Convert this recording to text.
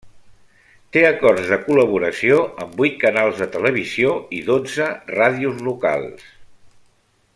Té acords de col·laboració amb vuit canals de televisió i dotze ràdios locals.